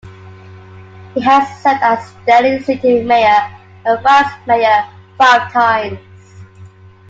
He has served as Daly City Mayor and Vice Mayor five times.